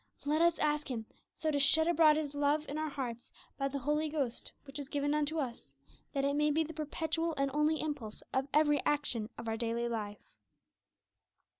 Let us ask Him so to shed abroad His love in our hearts by the Holy Ghost which is given unto us, that it may be the perpetual and only impulse of every action of our daily life.